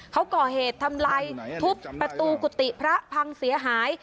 เขาก่อเหตุทำลายทุบประตูกุฏิพระพังเสียหาย